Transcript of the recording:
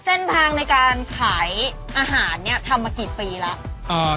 เส้นทางในการขายอาหารเนี่ยทำมากี่ปีแล้ว